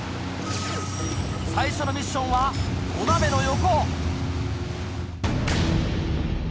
最初のミッションはお鍋の横。